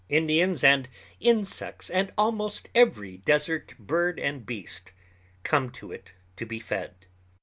Indians and insects and almost every desert bird and beast come to it to be fed.